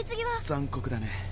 残酷だね。